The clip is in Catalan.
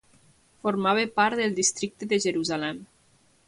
Formava part del districte de Jerusalem.